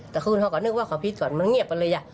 จะขึ้นเขาก็นึกว่าขอพิษก่อนมันเงียบไปเลยอะ